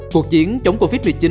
cuộc chiến chống covid một mươi chín